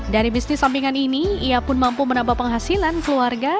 dari bisnis sampingan ini ia pun mampu menambah penghasilan keluarga